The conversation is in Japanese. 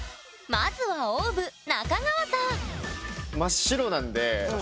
まずはＯＷＶ中川さん！